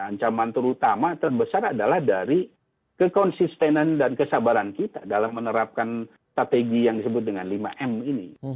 ancaman terutama terbesar adalah dari kekonsistenan dan kesabaran kita dalam menerapkan strategi yang disebut dengan lima m ini